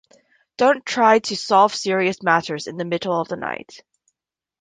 Don't try to solve serious matters in the middle of the night.